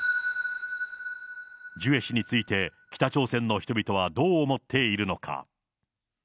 ジュエ氏について北朝鮮の人々はどう思っているのか。